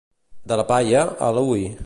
De la «paia» a l'«ui».